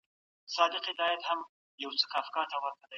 ذهني غلامي بده ده.